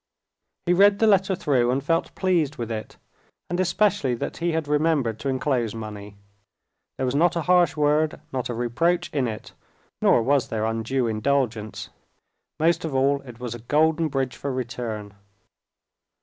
He read the letter through and felt pleased with it, and especially that he had remembered to enclose money: there was not a harsh word, not a reproach in it, nor was there undue indulgence. Most of all, it was a golden bridge for return.